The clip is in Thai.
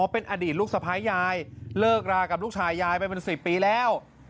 เป็นอดีตลูกสะพ้ายยายเลิกรากับลูกชายยายไปเป็น๑๐ปีแล้ว